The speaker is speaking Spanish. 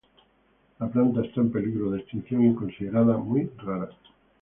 La planta está en peligro de extinción y considerada muy rara.